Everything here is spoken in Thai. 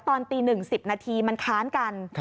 ตอนตี๑๐นาทีมันค้านกัน